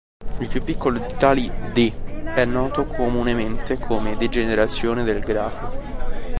Il più piccolo di tali "d" è noto comunemente come degenerazione del grafo.